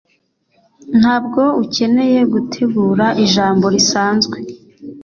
Ntabwo ukeneye gutegura ijambo risanzwe